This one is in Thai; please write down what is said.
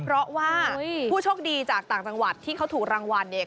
เพราะว่าผู้โชคดีจากต่างจังหวัดที่เขาถูกรางวัลเนี่ย